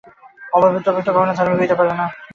অপবিত্র ব্যক্তি কখনও ধার্মিক হইতে পারে না।